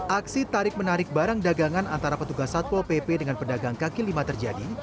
aksi tarik menarik barang dagangan antara petugas satpol pp dengan pedagang kaki lima terjadi